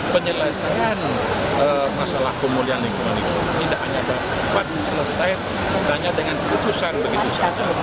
penyelesaian masalah pemulihan lingkungan itu tidak hanya dapat selesai hanya dengan keputusan begitu saja